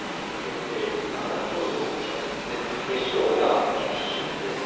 カナダのトルドー首相ですね、首都オタワの出身です。